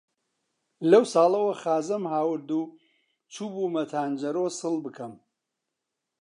لەو ساڵەوە خازەم هاورد و چووبوومە تانجەرۆ سڵ بکەم،